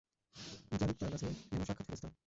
যারীদ তার কাছে যেন সাক্ষাৎ ফেরেশতা।